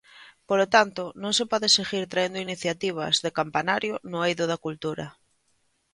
Polo tanto, non se pode seguir traendo iniciativas de campanario no eido da cultura.